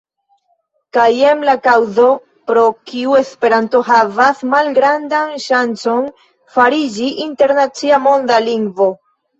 Kaj jen la kaŭzo, pro kiu Esperanto havas malgrandan ŝancon fariĝi internacia monda lingvo.